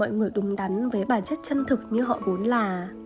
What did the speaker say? mọi người đúng đắn với bản chất chân thực như họ vốn là